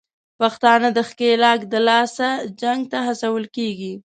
پښتانه د ښکېلاک دلاسه جنګ ته هڅول کېږي